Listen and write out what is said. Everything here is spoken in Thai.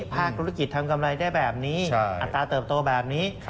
ภาคธุรกิจทำกำไรได้แบบนี้อัตราเติบโตแบบนี้